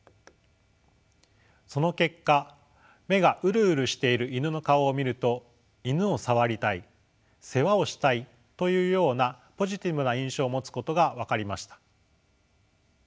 その結果目がウルウルしているイヌの顔を見るとイヌを触りたい世話をしたいというようなポジティブな印象を持つことが分かりました。